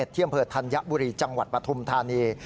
เที่ยมเผิดธัญญบุรีจังหวัดปฐุมธานี